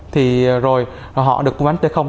thì rồi họ được mua bán t cộng